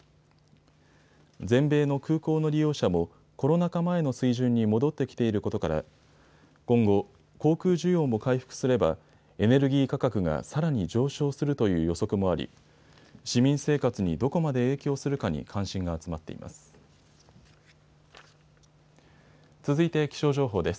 全米の空港の利用者もコロナ禍前の水準に戻ってきていることから今後、航空需要も回復すればエネルギー価格がさらに上昇するという予測もあり市民生活にどこまで影響するかに関心が集まっています。